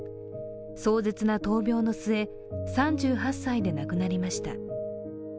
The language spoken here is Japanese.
壮絶な闘病の末、３８歳で亡くなりました。